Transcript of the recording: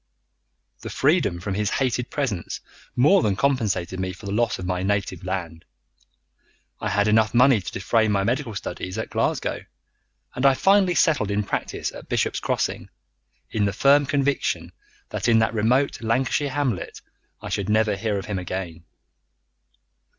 The freedom from his hated presence more than compensated me for the loss of my native land. I had enough money to defray my medical studies at Glasgow, and I finally settled in practice at Bishop's Crossing, in the firm conviction that in that remote Lancashire hamlet I should never hear of him again.